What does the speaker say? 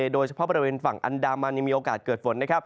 โดยเฉพาะบริเวณฝั่งอันดามันยังมีโอกาสเกิดฝนนะครับ